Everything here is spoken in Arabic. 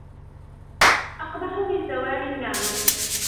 أقبح من زوال النعمة